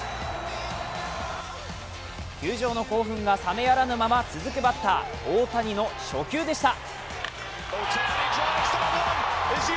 球場の興奮が冷めやらぬまま続くバッター・大谷の初球でした。